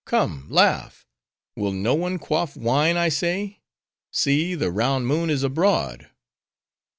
Come, laugh; will no one quaff wine, I say? See! the round moon is abroad."